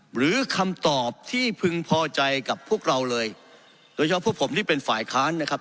หรือคำตอบที่พึงพอใจกับพวกเราเลยโดยเฉพาะพวกผมที่เป็นฝ่ายค้านนะครับ